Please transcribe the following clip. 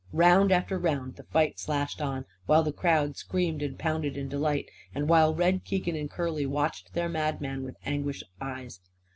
Round after round the fight slashed on, while the crowd screamed and pounded in delight and while Red Keegan and Curly watched their madman with anguished eyes.